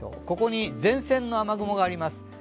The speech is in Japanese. ここに前線の雨雲があります。